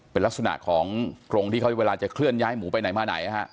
เป็นลักษณะของกรงที่เขาเวลาจะเคลื่อนย้ายหมูไปไหนมาไหนนะฮะ